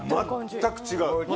全く違う。